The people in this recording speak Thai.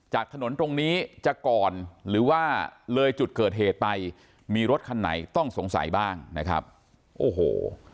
จากถนนตรงนี้จะก่อนหรือว่าเลยจุดเกิดเหตุไปมีรถคันไหนต้องสงสัยบ้างนะครับโอ้โห